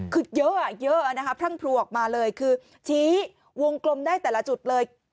คือเยอะพังพลูออกมาเลยคือชีวงต์กลมได้แต่ละจุดเลย